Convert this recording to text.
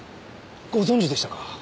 ご存じでしたか。